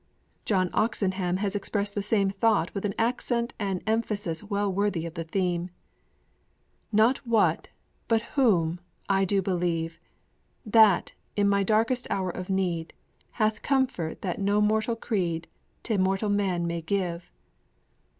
_' John Oxenham has expressed the same thought with an accent and emphasis well worthy of the theme: Not What, but Whom, I do believe, That, in my darkest hour of need, Hath comfort that no mortal creed To mortal man may give.